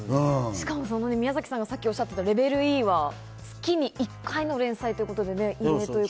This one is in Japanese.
しかも宮崎さんが先ほどおっしゃっていた『レベルＥ』は月に１回の連載ということで。